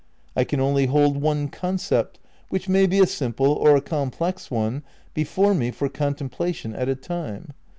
I can only hold one concept (which may be a simple or a complex one) be fore me for contemplation at a time.